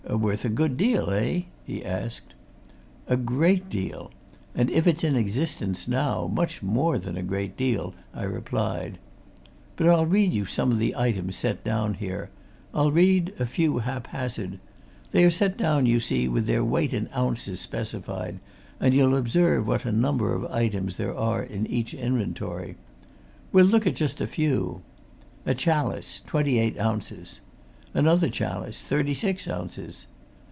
"Worth a good deal, eh?" he asked. "A great deal! and if it's in existence now, much more than a great deal," I replied. "But I'll read you some of the items set down here I'll read a few haphazard. They are set down, you see, with their weight in ounces specified, and you'll observe what a number of items there are in each inventory. We'll look at just a few. A chalice, twenty eight ounces. Another chalice, thirty six ounces.